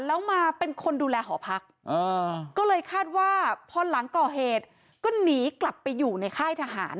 ะก็เลยคาดว่าพรหลังก่อเหตุก็หนีกลับไปอยู่ในค่ายทหาร